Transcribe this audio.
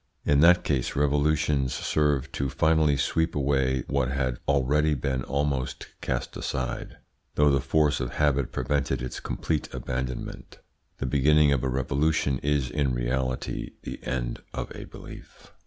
In that case revolutions serve to finally sweep away what had already been almost cast aside, though the force of habit prevented its complete abandonment. The beginning of a revolution is in reality the end of a belief.